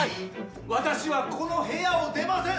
私はこの部屋を出ません！